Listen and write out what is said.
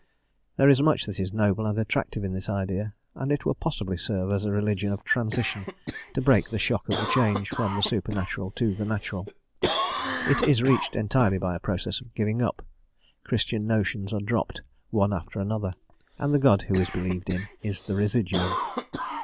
There is much that is noble and attractive in this idea, and it will possibly serve as a religion of transition to break the shock of the change from the supernatural to the natural. It is reached entirely by a process of giving up; Christian notions are dropped one after another, and the God who is believed in is the residuum.